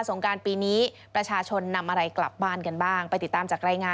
สงการปีนี้ประชาชนนำอะไรกลับบ้านกันบ้าง